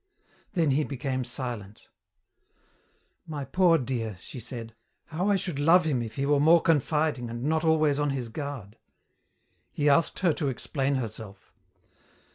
Then he became silent. "My poor dear," she said, "how I should love him if he were more confiding and not always on his guard." He asked her to explain herself.